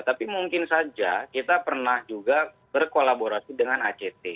tapi mungkin saja kita pernah juga berkolaborasi dengan act